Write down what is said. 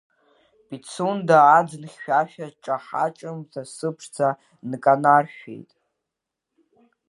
Пицунда аӡын хьшәашәа ҿаҳа-ҿымҭ асы ԥшӡа нканаршәшәеит.